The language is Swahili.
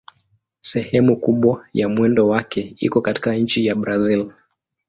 Sehemu kubwa ya mwendo wake iko katika nchi ya Brazil.